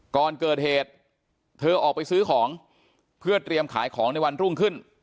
ก่อนเกิดเหตุเธอออกไปซื้อของเพื่อเตรียมขายของในวันรุ่งขึ้น